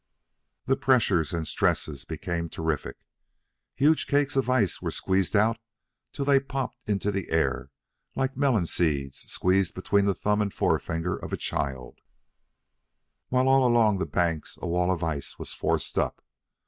The pressures and stresses became terrific. Huge cakes of ice were squeezed out till they popped into the air like melon seeds squeezed from between the thumb and forefinger of a child, while all along the banks a wall of ice was forced up.